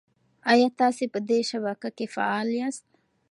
ایا تاسي په دې شبکه کې فعال یاست؟